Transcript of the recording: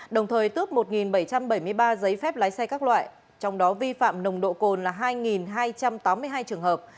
đồng thời tước một bảy trăm bảy mươi ba giấy phép lái xe các loại trong đó vi phạm nồng độ cồn là hai hai trăm tám mươi hai trường hợp